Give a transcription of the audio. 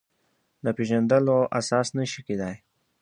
د پېژندلو اساس نه شي کېدای.